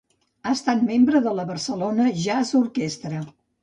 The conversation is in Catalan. Ha estat membre de la Barcelona Jazz Orquestra.